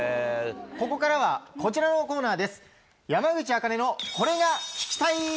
ここからはこちらのコーナーです！